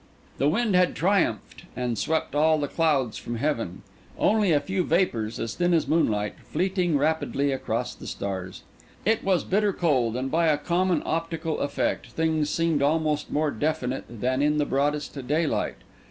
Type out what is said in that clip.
The wind had triumphed and swept all the clouds from heaven. Only a few vapours, as thin as moonlight, fleeting rapidly across the stars. It was bitter cold; and by a common optical effect, things seemed almost more definite than in the broadest daylight.